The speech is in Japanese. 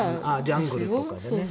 ジャングルとかね。